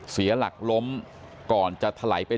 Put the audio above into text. เสียหลักล้มก่อนจะทะไหลไป